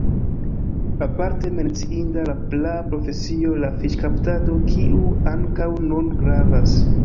Aparte menciinda la praa profesio la fiŝkaptado, kiu ankaŭ nun gravas.